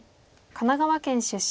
神奈川県出身。